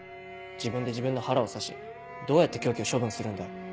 自分で自分の腹を刺しどうやって凶器を処分するんだよ？